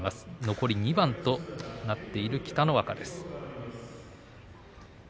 残り２番となっている北の若です。